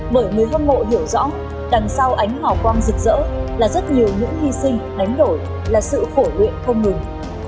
bởi người hâm mộ hiểu rõ đằng sau ánh hào quang rực rỡ là rất nhiều những hy sinh đánh đổi là sự khổ luyện không ngừng